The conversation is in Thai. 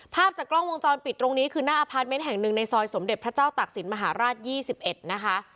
ภาพจากกล้องวงจรปิดตรงนี้คือหน้าอพาร์ทเมนต์แห่งหนึ่งในซอยสมเด็จพระเจ้าตักศิลปมหาราช๒๑นะคะ